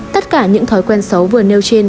tất cả những thói quen xấu vừa nêu trên